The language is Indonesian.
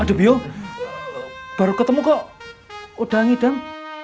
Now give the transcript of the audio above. aduh biuh baru ketemu kok udang idang